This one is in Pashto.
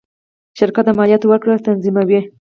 شرکت د مالیاتو ورکړه تضمینوي.